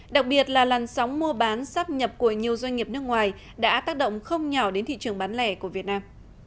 đặc biệt là làn sóng mua bán sắp nhập của nhiều doanh nghiệp nước ngoài đã tác động không nhỏ đến thị trường bán lẻ của việt nam